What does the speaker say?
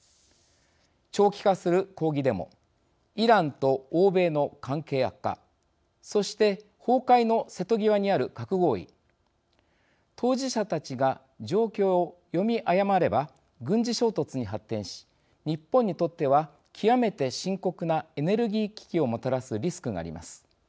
長期化する抗議デモイランと欧米の関係悪化そして崩壊の瀬戸際にある核合意当事者たちが状況を読み誤れば軍事衝突に発展し日本にとっては極めて深刻なエネルギー危機をもたらすリスクがあります。